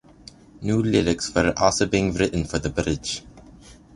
New lyrics were also written for the bridge.